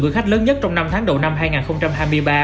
gửi khách lớn nhất trong năm tháng đầu năm hai nghìn hai mươi ba